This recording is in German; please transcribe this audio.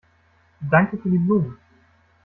Danke für die Blumen.